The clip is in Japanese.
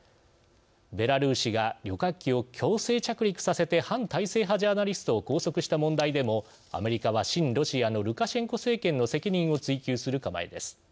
ベラルーシが旅客機を強制着陸させて反体制派ジャーナリストを拘束した問題でもアメリカは親ロシアのルカシェンコ政権の責任を追及する構えです。